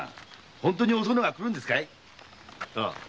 本当におそのは来るんですかい？